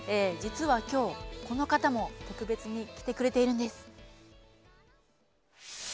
実は、きょうこの方も特別に来てくれているんです。